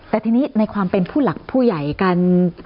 แต่ทีนี้ในความเป็นผู้หลักผู้ใหญ่กัน